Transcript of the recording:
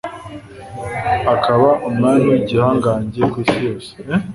akaba Umwami w’igihangange ku isi yose